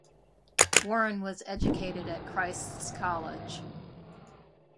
Warren was educated at Christ's College.